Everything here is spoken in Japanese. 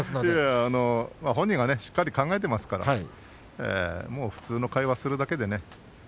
本人はしっかり考えていますから普通の会話をするだけです。